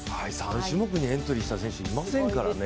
３種目にエントリーした選手いませんからね。